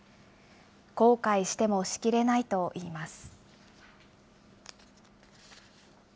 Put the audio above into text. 後悔しても仕切れないといいます。